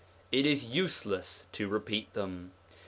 It is useless to repeat them.